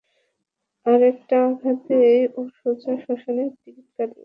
আরেকটা আঘাতেই ও সোজা শশ্মানের টিকিট কাটবে।